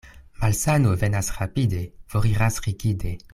Malsano venas rapide, foriras rigide.